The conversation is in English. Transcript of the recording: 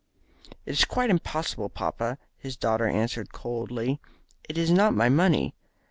"It is quite impossible, papa," his daughter answered coldly. "It is not my money.